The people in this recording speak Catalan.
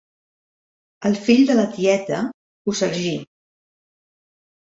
El fill de la tieta ho sargí.